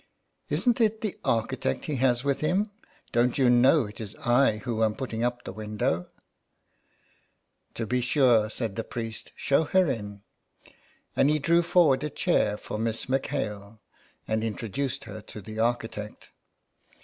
" Isn't it the architect he has with him ? Don't you know it is I who am putting up the window ?" ''To be sure," said the priest; ''show her in." And he drew forward a chair for Miss M'Hale, and introduced her to the architect.